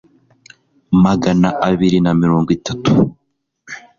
magana abiri na mirongo itatu